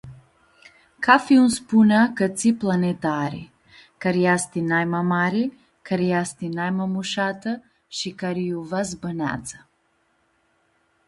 Cafi un spunea cã tsi planeti ari, cari easti naima mari, cari easti naima mushatã shi cari iu va s-bãneadzã.